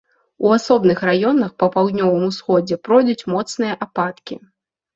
У асобных раёнах па паўднёвым усходзе пройдуць моцныя ападкі.